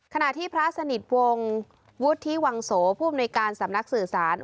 ขณะที่พระสนิทวงศ์วุฒิวังโสผู้อำนวยการสำนักสื่อสาร